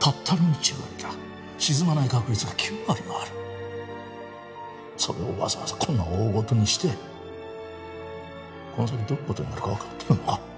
たったの１割だ沈まない確率が９割もあるそれをわざわざこんな大ごとにしてこの先どういうことになるか分かってるのか？